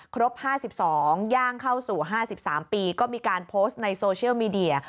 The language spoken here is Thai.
ครบ๕๒ย่างเข้าสู่๕๓ปีก็มีการโพสต์ในโซเชียลมีเดีย